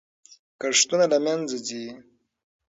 کښتونه له منځه ځي.